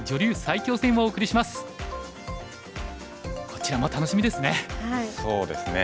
こちらも楽しみですね。